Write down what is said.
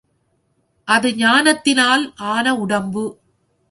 அது ஞானத்தினால் ஆன உடம்பு.